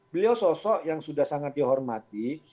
beliau sosok yang sudah sangat dihormati